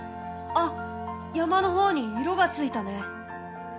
あ山の方に色がついたね！